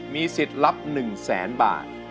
มีสิทธิ์รับ๑แสนบาท